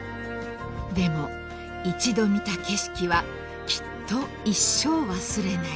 ［でも一度見た景色はきっと一生忘れない］